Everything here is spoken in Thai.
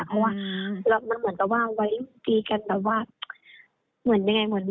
เพราะว่ามันเหมือนกับว่าเวลามีตีกันแต่ว่าเหมือนยังไง